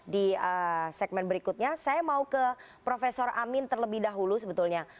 di segmen berikutnya saya mau ke prof amin terlebih dahulu sebetulnya